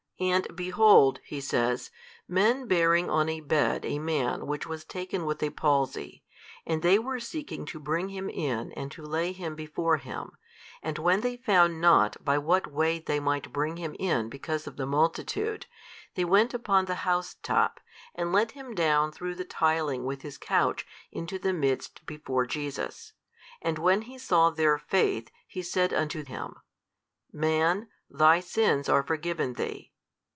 And, behold (he says) men bearing on a bed a man which was taken with a palsy, and they were seeking to bring him in and to lay him before him; and when they found not by what way they might bring him in because of the multitude, they went upon the housetop, and let him down through the tiling with his couch into the midst before Jesus. And when He saw their faith, He said unto him, Man, thy sins are forgiven thee.